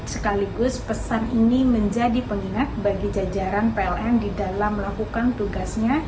sekaligus pesan ini menjadi pengingat bagi jajaran pln di dalam melakukan tugasnya